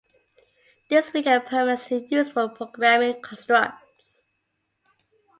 This feature permits two useful programming constructs.